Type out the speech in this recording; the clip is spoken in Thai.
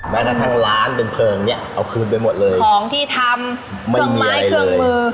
แม้กระทั่งร้านเป็นเพลิงเนี้ยเอาคืนไปหมดเลยของที่ทำเครื่องไม้เครื่องมือ